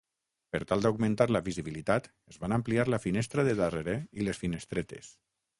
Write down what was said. Per tal d'augmentar la visibilitat es van ampliar la finestra de darrere i les finestretes.